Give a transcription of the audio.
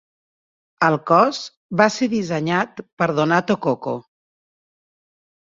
El cos va ser dissenyat per Donato Coco.